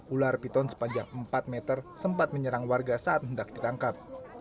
ular piton sepanjang empat meter sempat menyerang warga saat hendak ditangkap